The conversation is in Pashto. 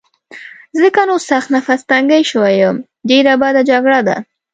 ځکه نو سخت نفس تنګی شوی یم، ډېره بده جګړه ده.